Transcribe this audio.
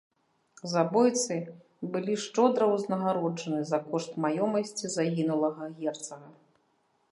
Забойцы былі шчодра ўзнагароджаны за кошт маёмасці загінулага герцага.